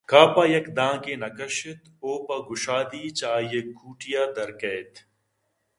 کاف ءَیک دانکے نہ کش اِت ءُپہ گشادی چہ آئی ءِکوٹی ءَ درکیت